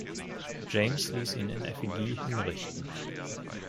James ließ ihn in effigie hinrichten.